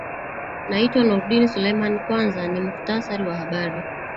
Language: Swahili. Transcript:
naitwa nurdin seleman kwanza ni mkutsari wa habari